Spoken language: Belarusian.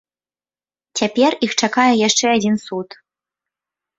Цяпер іх чакае яшчэ адзін суд.